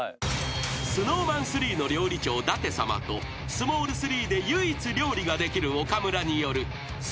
［ＳｎｏｗＭａｎ３の料理長ダテ様とスモール３で唯一料理ができる岡村による］